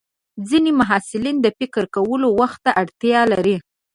ځینې محصلین د فکر کولو وخت ته اړتیا لري.